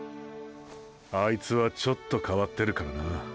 あいつはちょっと変わってるからな。